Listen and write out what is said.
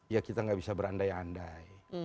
ya kita nggak bisa berandai andai